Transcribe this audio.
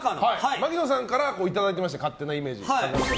槙野さんからいただきまして勝手なイメージ。